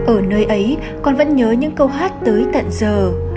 ở nơi ấy còn vẫn nhớ những câu hát tới tận giờ